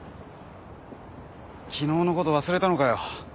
昨日のこと忘れたのかよ。